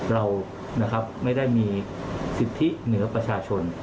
เราไม่ได้มีสิทธิเหนือประชาชน